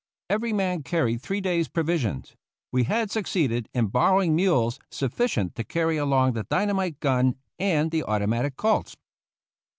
Every man carried three days' provisions. We had suc ceeded in borrowing mules sufficient to carry along the dynamite gun and the automatic Colts.